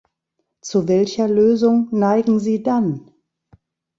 Zu welcher Lösung neigen Sie dann?